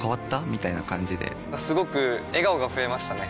みたいな感じですごく笑顔が増えましたね！